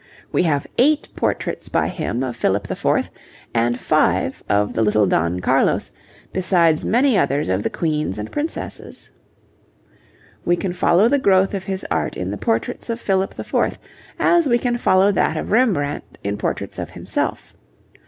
We have eight portraits by him of Philip IV., and five of the little Don Carlos, besides many others of the queens and princesses. We can follow the growth of his art in the portraits of Philip IV., as we can follow that of Rembrandt in portraits of himself.